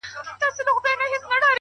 مثبت فکرونه روښانه پرېکړې زېږوي’